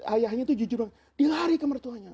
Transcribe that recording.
ayahnya itu jujur dilari ke mertuanya